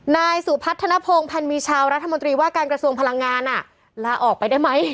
นายสุพัฒนภงพันธ์มีชาวรัฐมนตรีว่าการกระทรวงพลังงานลาออกไปได้ไหม